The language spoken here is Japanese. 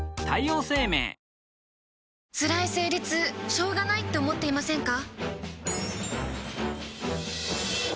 つらい生理痛しょうがないって思っていませんか？